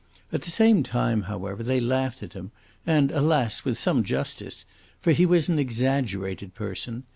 At the same time, however, they laughed at him and, alas with some justice; for he was an exaggerated person.